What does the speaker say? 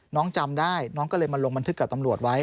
จำได้น้องก็เลยมาลงบันทึกกับตำรวจไว้